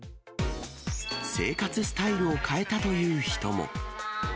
生活スタイルを変えたという人も。